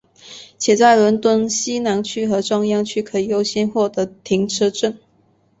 且在伦敦西南区和中央区可以优先取得停车证。